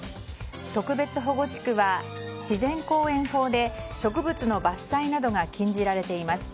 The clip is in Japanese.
特別保護地区は自然公園法で植物の伐採などが禁じられています。